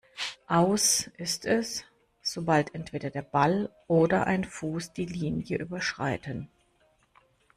Aus ist es, sobald entweder der Ball oder ein Fuß die Linie überschreiten.